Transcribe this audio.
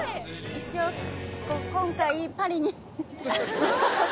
一応今回パリにもう。